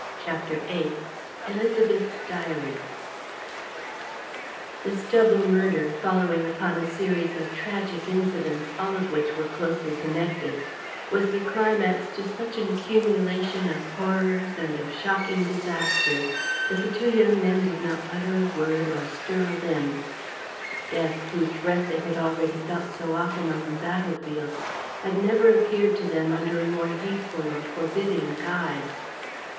CHAPTER VIII ÉLISABETH'S DIARY This double murder, following upon a series of tragic incidents all of which were closely connected, was the climax to such an accumulation of horrors and of shocking disasters that the two young men did not utter a word or stir a limb. Death, whose breath they had already felt so often on the battlefield, had never appeared to them under a more hateful or forbidding guise.